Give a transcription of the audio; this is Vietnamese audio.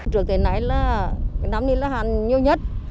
trước đây nãy là năm này là hạn nhiều nhất